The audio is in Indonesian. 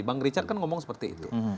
bang richard kan ngomong seperti itu